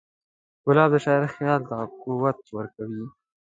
ګلاب د شاعر خیال ته قوت ورکوي.